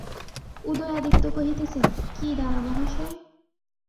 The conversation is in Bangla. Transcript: উদয়াদিত্য কহিতেছেন, কী দাদামহাশয়?